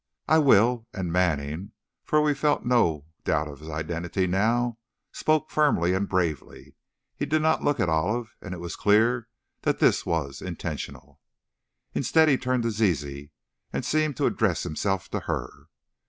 "I will!" and Manning, for we felt no doubt of his identity now, spoke firmly and bravely. He did not look at Olive, and it was clear that this was intentional. Instead, he turned to Zizi, and seemed to address himself to her.